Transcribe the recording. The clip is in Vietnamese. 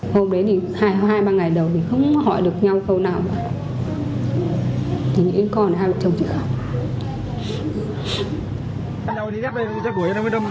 hôm đấy thì hai ba ngày đầu thì không hỏi được nhau câu nào thì nghĩ con đã bị trông chịu